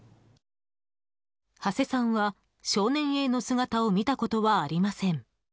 土師さんは少年Ａの姿を見たことはありません。